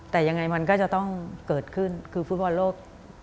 แต่ยังไงมันก็จะต้องเกิดขึ้นคือฟุตบอลโลก